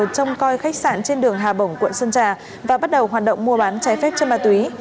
trong coi khách sạn trên đường hà bổng quận sơn trà và bắt đầu hoạt động mua bán trái phép trên ma túy